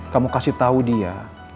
kamu kasih tau dia